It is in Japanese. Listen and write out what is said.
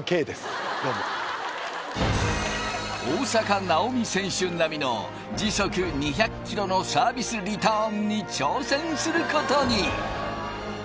大坂なおみ選手並みの時速２００ｋｍのサービスリターンに挑戦することに！